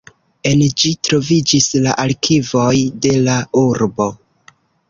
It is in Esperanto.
En ĝi troviĝis la arkivoj de la urbo.